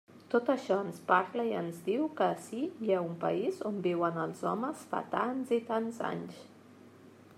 Tot això ens parla i ens diu que ací hi ha un país on viuen els homes fa tants i tants anys.